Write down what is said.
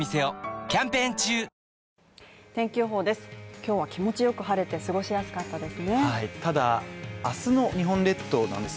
今日は気持ちよく晴れて過ごしやすかったです。